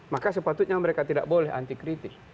maka sepatutnya mereka tidak boleh anti kritik